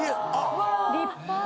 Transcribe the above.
立派！